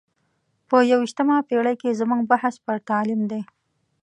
په یو ویشتمه پېړۍ کې زموږ بحث پر تعلیم دی.